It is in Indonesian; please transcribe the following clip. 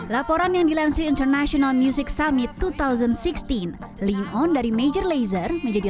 laporan yang dilansir international music summit dua ribu enam belas link on dari major lazer menjadi